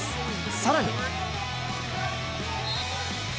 更に。